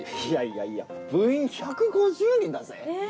いやいやいや部員１５０人だぜ？